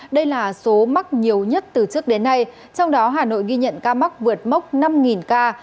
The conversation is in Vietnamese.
đây là số mắc nhiều nhất từ trước đến nay trong đó hà nội ghi nhận ca mắc vượt mốc năm ca